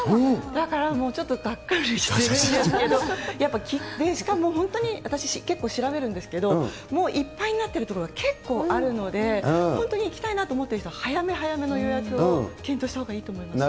だから、ちょっとがっかりしてるんですけど、しかも本当に私、結構調べるんですけど、もういっぱいになってる所が結構あるので、本当に行きたいなと思ってる人は、早め早めの予約を検討したほうがいいと思います。